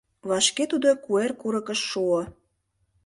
Вашке тудо куэр курыкыш шуо.